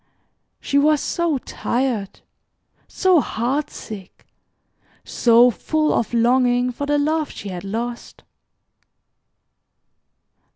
She was so tired, so heart sick, so full of longing for the love she had lost.